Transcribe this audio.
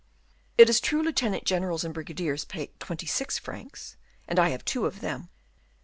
It is true lieutenant generals and brigadiers pay twenty six francs, and I have two of them.